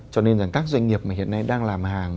cho nên các doanh nghiệp mà hiện nay đang làm hàng